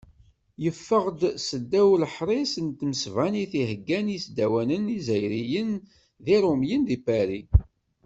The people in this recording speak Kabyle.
Yeffeɣ-d s ddaw leḥṛis n tmesbanit i heggan yisdawanen izzayriyen d iṛumyen di Pari.